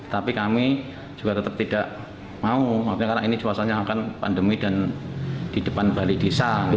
tapi kami juga tetap tidak mau artinya karena ini cuacanya akan pandemi dan di depan balai desa